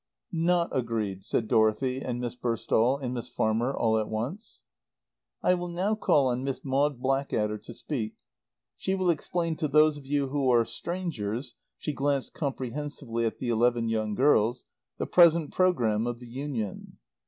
"Not agreed," said Dorothy and Miss Burstall and Miss Farmer all at once. "I will now call on Miss Maud Blackadder to speak. She will explain to those of you who are strangers" (she glanced comprehensively at the eleven young girls) "the present program of the Union."